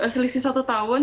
selisih satu tahun